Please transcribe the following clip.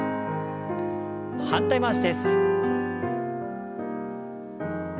反対回しです。